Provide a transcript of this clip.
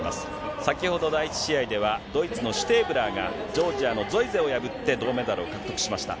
先ほど、第１試合ではドイツのシュテーブラーがジョージアのゾイゼを破って、銅メダルを獲得しました。